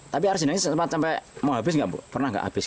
tapi air sendang ini sampai mau habis nggak bu pernah nggak habis